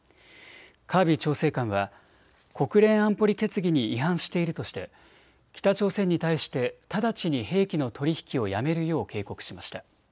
カービー調整官は国連安保理決議に違反しているとして北朝鮮に対して直ちに兵器の取り引きをやめるよう警告しました。